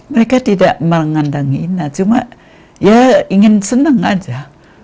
mereka tidak mengandangi cuma ingin senang saja